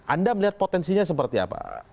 anda melihat potensinya seperti apa